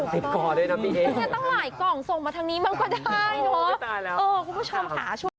ต้องหลายกล่องส่งมาทางนี้มันก็ได้เนอะ